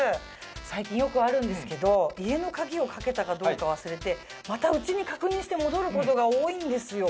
最近よくあるんですけど家の鍵をかけたかどうか忘れてまた家に確認して戻ることが多いんですよ。